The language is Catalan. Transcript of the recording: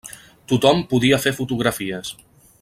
Tothom podia fer fotografies.